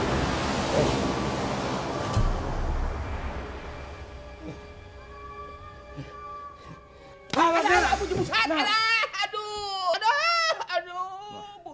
aduh aduh aduh